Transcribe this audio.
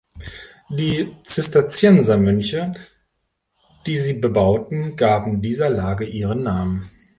Die Zisterziensermönche, die sie bebauten, gaben dieser Lage ihren Namen.